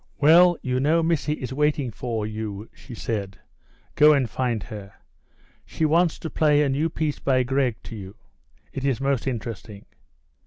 "Well, you know Missy is waiting for you," she said. "Go and find her. She wants to play a new piece by Grieg to you; it is most interesting."